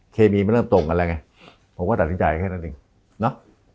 เคมีมันเริ่มตรงกันแล้วไงผมก็ตัดสินใจแค่นั้นเองเนาะ